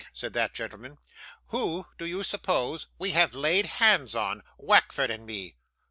said that gentleman; 'who do you suppose we have laid hands on, Wackford and me?